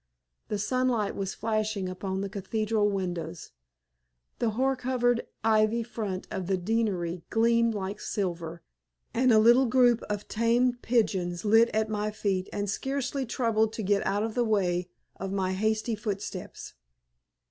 The sunlight was flashing upon the cathedral windows, the hoar covered ivy front of the deanery gleamed like silver, and a little group of tame pigeons lit at my feet and scarcely troubled to get out of the way of my hasty footsteps.